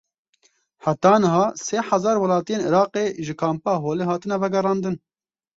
Heta niha sê hezar welatiyên Iraqê ji Kampa Holê hatine vegerandin.